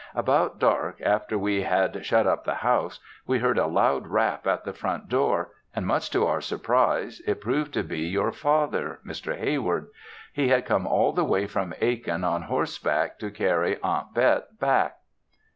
About dark after we had shut up the house we heard a loud rap at the front door, and much to our surprise it proved to be your father (Mr. Heyward). He had come all the way from Aiken on horseback to carry Aunt Bet back.